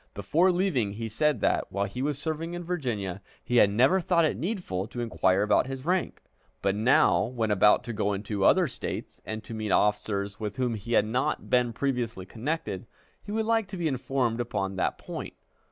Before leaving, he said that, while he was serving in Virginia, he had never thought it needful to inquire about his rank; but now, when about to go into other States and to meet officers with whom he had not been previously connected, he would like to be informed upon that point.